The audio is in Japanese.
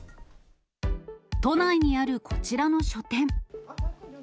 都内にあるこちらの書店。